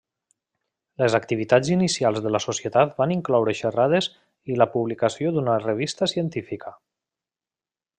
Les activitats inicials de la Societat van incloure xerrades i la publicació d'una revista científica.